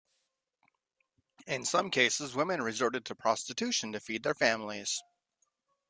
In some cases, women resorted to prostitution to feed their families.